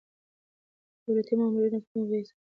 د دولتي مامورينو کړنې به يې څارلې.